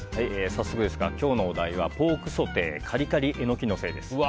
早速ですが今日のお題はポークソテーカリカリエノキのせです。